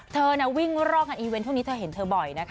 เธอวิ่งรอกงานอีเวนต์พวกนี้เธอเห็นเธอบ่อยนะคะ